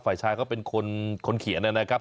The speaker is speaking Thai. ฝ่ายชายก็เป็นคนเขียนน่ะนะครับ